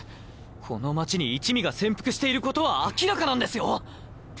この町に一味が潜伏していることは明らかなんですよ！